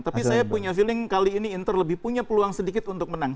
tapi saya punya feeling kali ini inter lebih punya peluang sedikit untuk menang